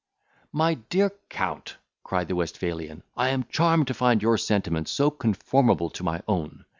"My dear count," cried the Westphalian, "I am charmed to find your sentiments so conformable to my own.